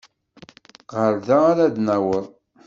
Ɣer da ara d-naweḍ.